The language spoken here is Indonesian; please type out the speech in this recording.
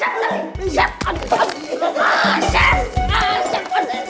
apa yang mau dilakukan